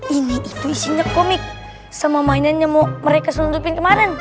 ini itu isinya komik sama mainan yang mau mereka selundupin kemarin